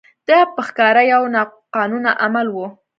دا په ښکاره یو ناقانونه عمل و.